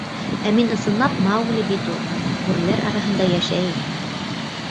— Ә мин ысынлап Маугли бит ул. Бүреләр араһында йәшәйем.